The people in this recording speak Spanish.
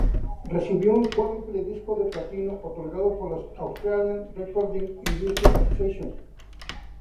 Recibió un cuádruple disco de platino otorgado por la Australian Recording Industry Association.